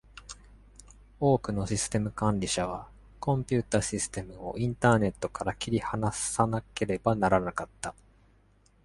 多くのシステム管理者は、コンピュータシステムをインターネットから切り離さなければならなかった。